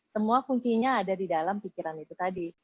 semua kuncinya ada di dalam pikiran itu tadi